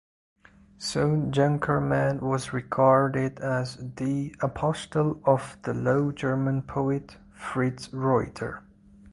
Soon Junkermann was regarded as the "apostle of the Low German poet Fritz Reuter".